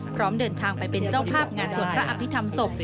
พร้อมเดินทางไปเป็นเจ้าภาพงานสวดพระอภิษฐรรมศพ